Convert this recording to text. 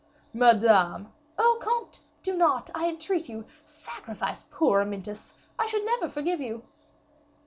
"Madame " "Oh! comte, do not, I entreat you, sacrifice poor Amyntas; I should never forgive you."